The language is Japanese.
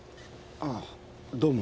ああどうも。